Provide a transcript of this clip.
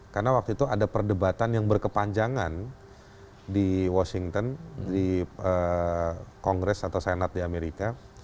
karena waktu itu ada perdebatan yang berkepanjangan di washington di kongres atau senat di amerika